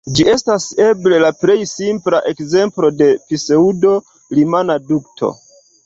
Ĝi estas eble la plej simpla ekzemplo de pseŭdo-rimana dukto.